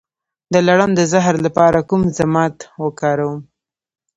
د لړم د زهر لپاره کوم ضماد وکاروم؟